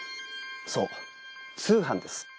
そう通販です。